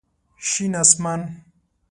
شين اسمان